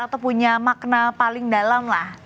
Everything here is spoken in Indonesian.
atau punya makna paling dalam lah